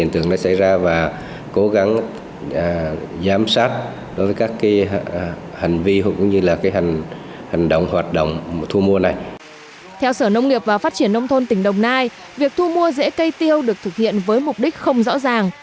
theo sở nông nghiệp và phát triển nông thôn tỉnh đồng nai việc thu mua rễ cây tiêu được thực hiện với mục đích không rõ ràng